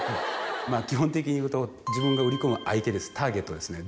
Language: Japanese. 基本的にいうと自分が売り込む相手ターゲットですね。